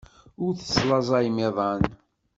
Ur teslaẓayem iḍan.